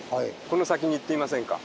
この先に行ってみませんか。